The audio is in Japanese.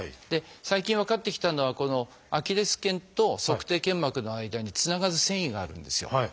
で最近分かってきたのはこのアキレス腱と足底腱膜の間につながる線維があるんですよ。